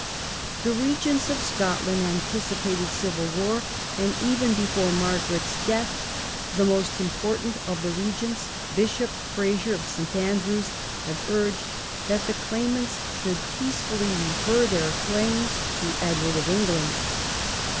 The regents of Scotland anticipated civil war, and even before Margaret's death the most important of the regents. Bishop Eraser of St. Andrews, had urged that the claimants should peacefully refer their claims to Edward of England.